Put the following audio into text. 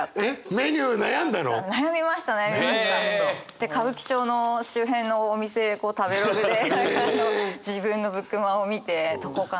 で歌舞伎町の周辺のお店こう食べログで自分のブクマを見てどこかな。